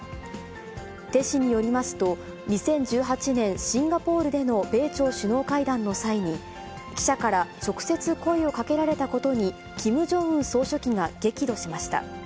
テ氏によりますと、２０１８年、シンガポールでの米朝首脳会談の際に、記者から直接、声をかけられたことに、キム・ジョンウン総書記が激怒しました。